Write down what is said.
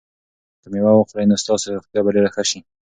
که مېوه وخورئ نو ستاسو روغتیا به ډېره ښه شي.